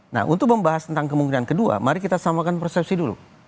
nah untuk membahas tentang kemungkinan kedua mari kita samakan persepsi dulu